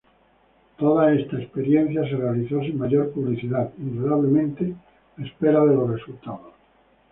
Toda esta experiencia se realizó sin mayor publicidad, indudablemente a espera de los resultados.